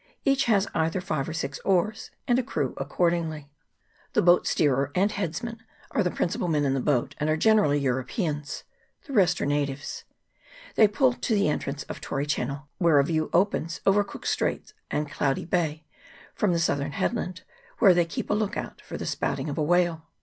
Each has either five or six oars, and a crew accordingly. The boat steerer and headsmen are the principal men in the boat, and are generally Europeans ; the rest are natives. They pull to the entrance of Tory Channel, where a view opens over Cook's Straits and Cloudy Bay from the southern head land, where they keep a "look out" for the spouting of a whale.